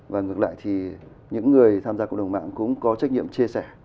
và ngược lại thì những người tham gia cộng đồng mạng cũng có trách nhiệm chia sẻ